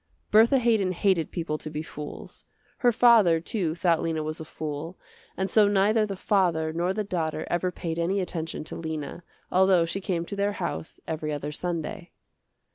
Bertha Haydon hated people to be fools. Her father, too, thought Lena was a fool, and so neither the father nor the daughter ever paid any attention to Lena, although she came to their house every other Sunday.